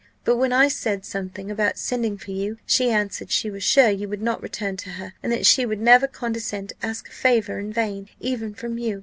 But when I said something about sending for you, she answered, she was sure you would not return to her, and that she would never condescend to ask a favour in vain, even from you.